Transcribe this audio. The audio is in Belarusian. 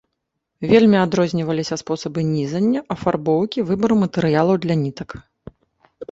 Вельмі адрозніваліся спосабы нізання, афарбоўкі, выбару матэрыялаў для нітак.